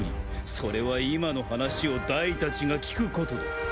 それは今の話をダイたちが聞くことだ。